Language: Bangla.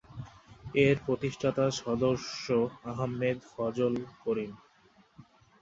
এর প্রতিষ্ঠাতা সদস্য আহমেদ ফজল করিম।